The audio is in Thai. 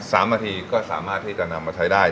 สามนาทีก็สามารถที่จะนำมาใช้ได้